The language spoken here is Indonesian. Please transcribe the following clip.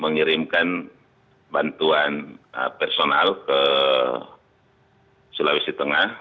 mengirimkan bantuan personal ke sulawesi tengah